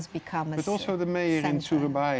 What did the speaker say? tetapi juga para pemerintah di surabaya